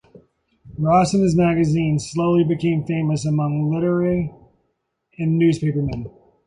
Ross and his magazine slowly became famous among literati and newspapermen.